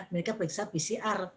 mereka periksa pcr